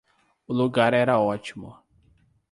O lugar era ótimo.